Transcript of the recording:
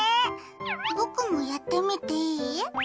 僕もやってみていい？